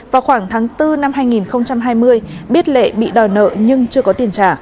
vào khoảng tháng bốn năm hai nghìn hai mươi biết lệ bị đòi nợ nhưng chưa có tiền trả